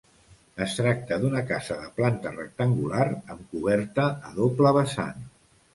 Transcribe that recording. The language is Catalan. Es tracta d'una casa de planta rectangular amb coberta a doble vessant.